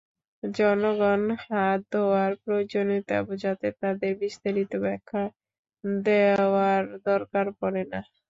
জনগণকে হাত ধোয়ার প্রয়োজনীয়তা বোঝাতে তাঁদের বিস্তারিত ব্যাখ্যা দেওয়ার দরকার পড়ে না।